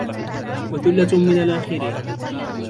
وَثُلَّةٌ مِنَ الْآخِرِينَ